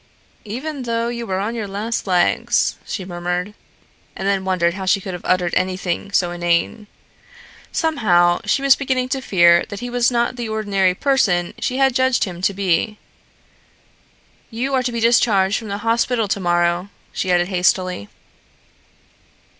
"Even though you were on your last legs?" she murmured, and then wondered how she could have uttered anything so inane. Somehow, she was beginning to fear that he was not the ordinary person she had judged him to be. "You are to be discharged from the hospital to morrow," she added hastily.